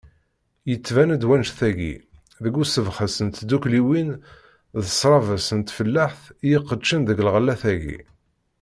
Yettban-d wannect-agi, deg usebɣes n tddukkliwin d ssrabes n tfellaḥt i iqeddcen deg lɣellat-agi.